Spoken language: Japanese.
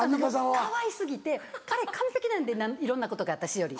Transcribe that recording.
かわい過ぎて彼完璧なんでいろんなことが私より。